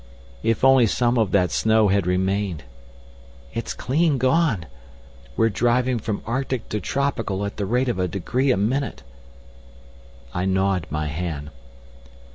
"If only some of that snow had remained!" "It's clean gone! We're driving from arctic to tropical at the rate of a degree a minute...." I gnawed my hand.